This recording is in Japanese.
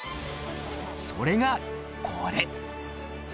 それがこれ！